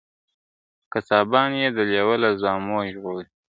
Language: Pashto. قصابان یې د لېوه له زامو ژغوري !.